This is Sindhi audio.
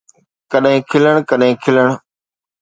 ڪڏھن کلڻ، ڪڏھن کلڻ